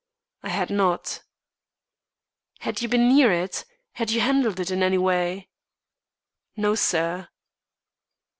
"I had not." "Had you been near it? Had you handled it in any way?" "No, sir."